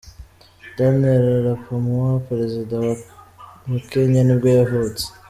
Daniel arap Moi, perezida wa wa Kenya nibwo yavutse.